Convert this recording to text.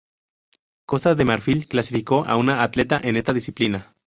Costa de Marfil clasificó a una atleta en esta disciplina.